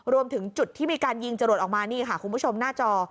รวมถึงจุดที่มีการยิงจรวดออกมานี่ค่ะคุณผู้ชมหน้าจอ